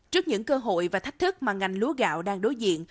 trước những cơ hội và thách thức mà ngành lúa gạo đang đối diện